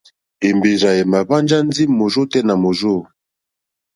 Èmbèrzà èmà hwánjá ndí mòrzô tɛ́ nà mòrzô.